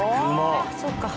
ああそっか。